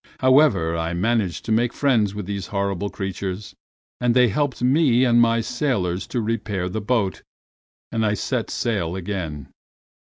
However, I managed to make friends with these horrible creatures, and they helped me and my sailors to repair the boat, and I set sail again.